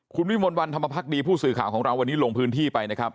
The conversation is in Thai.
คุณวิมลวันธรรมพักดีผู้สื่อข่าวของเราวันนี้ลงพื้นที่ไปนะครับ